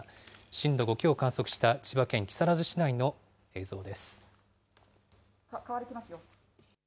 震度５強を観測した千葉県木更津市内の映像です。